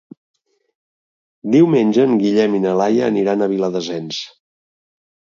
Diumenge en Guillem i na Laia aniran a Viladasens.